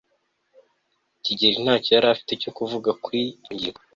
kigeri ntacyo yari afite cyo kuvuga kuri iyo ngingo